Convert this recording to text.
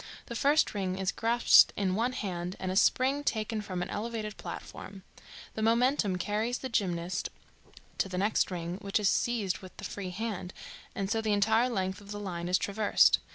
The first ring is grasped in one hand and a spring taken from an elevated platform. The momentum carries the gymnast to the next ring, which is seized with the free hand, and so the entire length of the line is traversed.